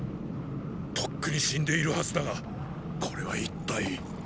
とっくに死んでいるはずだがこれは一体。